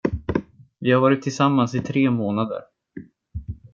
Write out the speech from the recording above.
Vi har varit tillsammans i tre månader.